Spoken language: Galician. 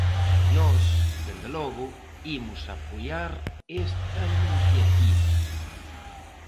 Nós, dende logo, imos apoiar esta iniciativa.